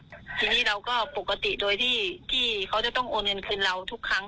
ทีนี้เราก็ปกติโดยที่ที่เขาจะต้องโอนเงินคืนเราทุกครั้ง